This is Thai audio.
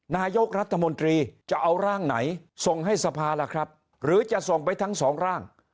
นายกรัฐมนตรีจะเอาร่างไหนส่งให้สภาล่ะครับหรือจะส่งไปทั้งสองร่าง